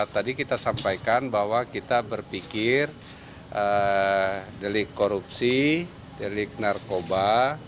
tadi kita sampaikan bahwa kita berpikir delik korupsi delik narkoba